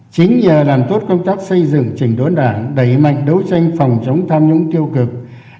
chính nhờ làm tốt công tác xây dựng trình đốn đảng đẩy mạnh đấu tranh phòng chống tham nhũng tiêu cực